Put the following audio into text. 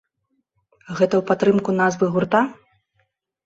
Гэта ў падтрымку назвы гурта?